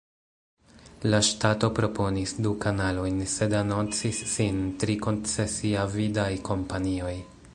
La ŝtato proponis du kanalojn sed anoncis sin tri koncesiavidaj kompanioj.